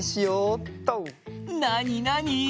なになに？